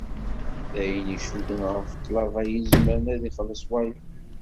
D ayen icudden ɣer ṭṭlaba i yezmer ad ixelleṣ wayeḍ.